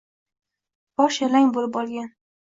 Bosh yalang bo‘lib olgan.